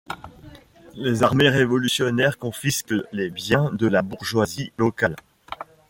Les armées révolutionnaires confisquent les biens de la bourgeoisie locale.